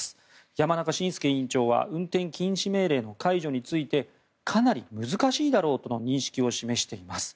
山中伸介委員長は運転禁止命令の解除についてかなり難しいだろうとの認識を示しています。